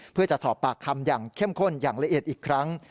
เพื่อจะสอบปากคำอย่างเข้มข้นอย่างละเอียดอีกครั้ง